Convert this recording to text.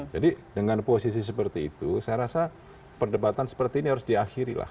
jadi dengan posisi seperti itu saya rasa perdebatan seperti ini harus diakhiri lah